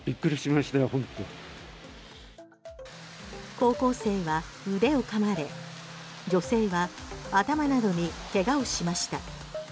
高校生は腕を噛まれ女性は頭などに怪我をしました。